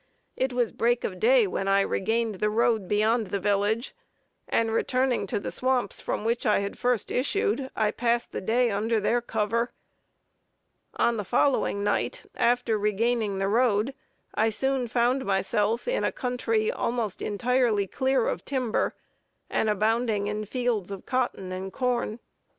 It was break of day when I regained the road beyond the village, and returning to the swamps from which I had first issued, I passed the day under their cover. On the following night, after regaining the road, I soon found myself in a country almost entirely clear of timber, and abounding in fields of cotton and corn.